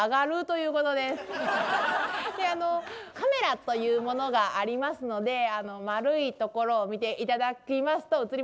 カメラというものがありますので丸いところを見て頂きますと映ります。